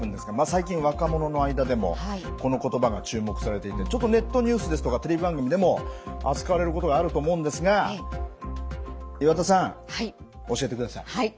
最近若者の間でもこの言葉が注目されていてネットニュースですとかテレビ番組でも扱われることがあると思うんですが岩田さん教えてください。